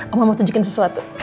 eh omomau tunjukin sesuatu